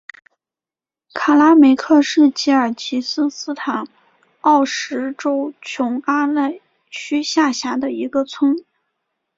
卡拉梅克是吉尔吉斯斯坦奥什州琼阿赖区下辖的一个村。